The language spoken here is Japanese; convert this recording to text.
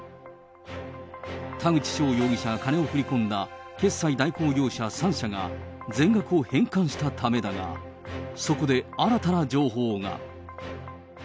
田口翔容疑者が金を振り込んだ決済代行業者３社が、全額を返還したためだが、そこで新たな情報が。